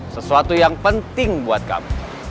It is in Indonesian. sesuatu yang penting buat kami